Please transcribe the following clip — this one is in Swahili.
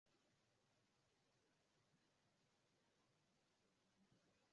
hakuna hata mmoja aliyejenga uwanja wa ndege wa kisasa wilayani kwake